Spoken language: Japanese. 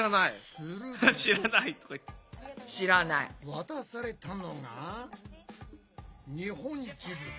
渡されたのが日本地図。